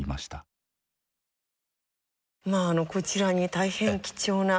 まあこちらに大変貴重な。